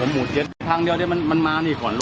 บุกรุงเชียวภัยภัยเท่าไหร่